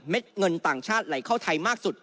เงินต่างชาติไหลเข้าไทยมากสุด